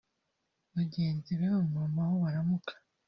Bagenzi be bamwomaho baramuka